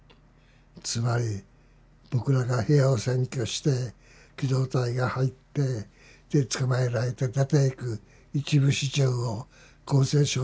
つまり僕らが部屋を占拠して機動隊が入って捕まえられて出ていく一部始終を厚生省の職員見てるでしょう。